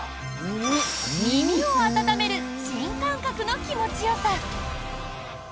耳を温める新感覚の気持ちよさ。